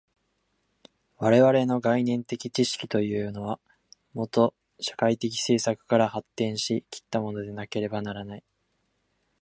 我々の概念的知識というのは、もと社会的制作から発展し来ったものでなければならない。